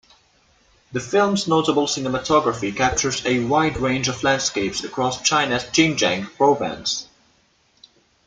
The film's notable cinematography captures a wide range of landscapes across China's Xinjiang province.